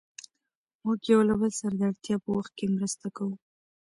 موږ يو له بل سره د اړتیا په وخت کې مرسته کوو.